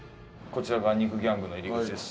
こちらが肉ギャングの入り口です。